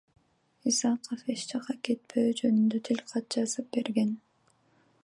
Исаков эч жакка кетпөө жөнүндө тилкат жазып берген.